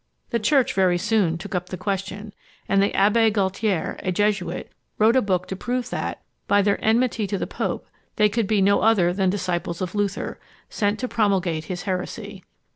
The Church very soon took up the question; and the Abbé Gaultier, a Jesuit, wrote a book to prove that, by their enmity to the pope, they could be no other than disciples of Luther, sent to promulgate his heresy.